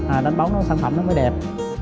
à đánh bóng nó sản phẩm nó mới đẹp